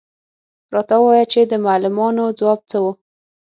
_راته ووايه چې د معلمانو ځواب څه و؟